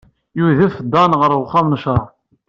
Yudef Dan ɣer uxxam n ccṛeɛ.